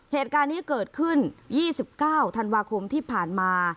เหตุการณ์นี้เกิดขึ้น๒๙ธันวาคมที่ผ่านมา